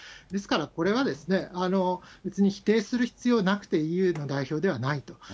ですから、これは別に否定する必要なくて、ＥＵの代表ではないと。